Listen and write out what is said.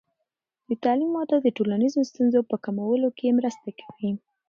د تعلیم وده د ټولنیزو ستونزو په کمولو کې مرسته کوي.